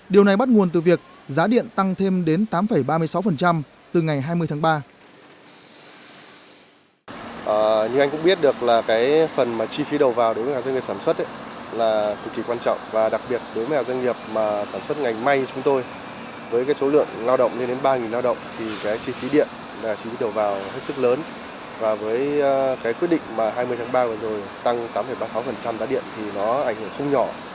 điều này bắt nguồn từ việc giá điện tăng thêm đến tám ba mươi sáu từ ngày hai mươi tháng ba